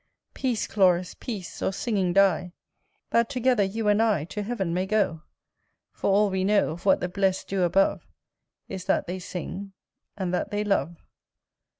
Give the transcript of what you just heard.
Peace, Chloris! peace, or singing die, That together you and I To heaven may go; For all we know Of what the blessed do above Is, that they sing, and that they love.